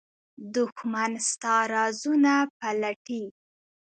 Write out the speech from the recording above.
دښمن ستا رازونه پلټي